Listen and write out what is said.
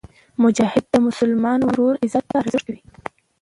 مجاهد د مسلمان ورور عزت ته ارزښت ورکوي.